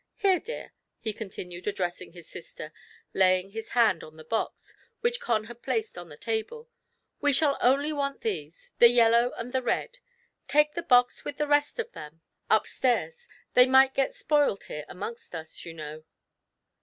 Here, dear," he continued, ad dressing his sister, laying his hand on the box, which Con had placed on the table, ''we shall only want these, the yellow and the red; take the box with the rest of them up stairs, they might get spoiled here amongst us, you know."